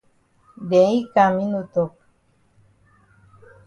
Den yi kam yi no tok.